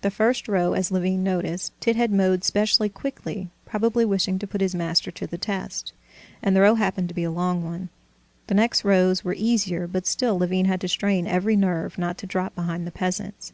The first row, as Levin noticed, Tit had mowed specially quickly, probably wishing to put his master to the test, and the row happened to be a long one. The next rows were easier, but still Levin had to strain every nerve not to drop behind the peasants.